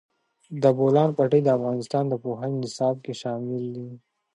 د بولان پټي د افغانستان د پوهنې نصاب کې شامل دي.